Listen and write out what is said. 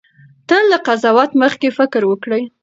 تل له قضاوت مخکې فکر وکړئ.